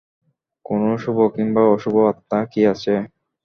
কোনো শুভ কিংবা অশুভ আত্মা কি আছে?